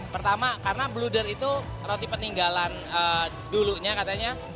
pertama karena bluder itu roti peninggalan dulunya katanya